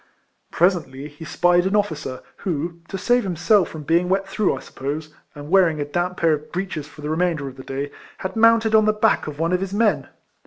Presently he spied an officer who, to save himself from being wet through, I suppose, and wearing a damp pair of breeches for the remainder of the day, had mounted on the back of one of his men.